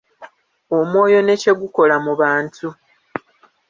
Omwoyo ne kye gukola mu bantu.